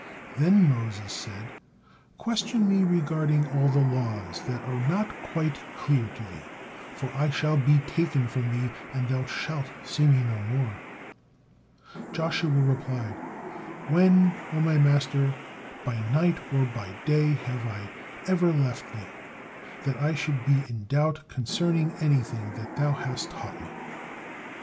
Then Moses said: "Question me regarding all the laws that are not quite clear to thee, for I shall be taken from thee, and thou shalt see me no more." Joshua replied, "When, O my master, by night or by day, have I ever left thee, that I should be in doubt concerning anything that thou hast taught me?"